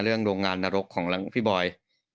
เรื่องโรงงานนรกของพี่บอย